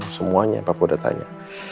semuanya papa udah tanya